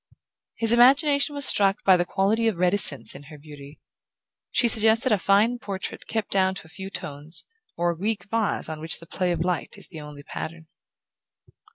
His imagination was struck by the quality of reticence in her beauty. She suggested a fine portrait kept down to a few tones, or a Greek vase on which the play of light is the only pattern.